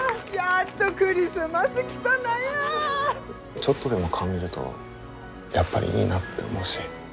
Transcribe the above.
ちょっとでも顔見るとやっぱりいいなって思うし。